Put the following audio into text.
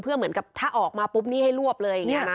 เพื่อเหมือนกับถ้าออกมาปุ๊บนี้ให้รวบเลย